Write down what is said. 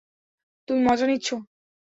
তুমি মজা নিচ্ছ?